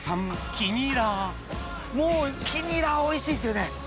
黄ニラおいしいですよね。